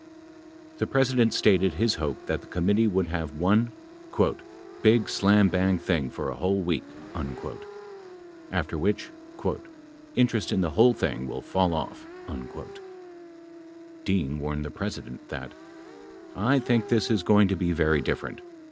The President stated his hope that the committee would have one "big slambang thing for a whole week," after which "interest in the whole thing will fall off." 31 Dean warned the President that : I think this is going to be very different.